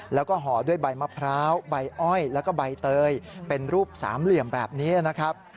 แล้วก็ห่อด้วยใบมะพร้าวใบอ้อยแล้วก็ใบเตยเป็นรูปสามเหลี่ยมแบบนี้นะครับ